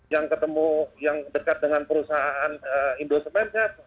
yang ketemu yang dekat dengan perusahaan indosemen siapa